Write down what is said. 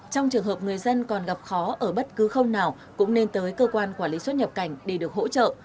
trong trường hợp người dân còn gặp khó ở bất cứ không nào cũng nên tới cơ quan quản lý xuất nhập cảnh để được hỗ trợ